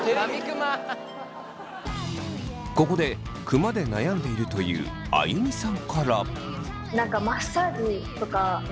ここでクマで悩んでいるというあゆみさんから。